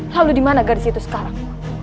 lalu dimana gadis itu sekarang